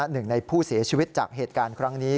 หนึ่งในผู้เสียชีวิตจากเหตุการณ์ครั้งนี้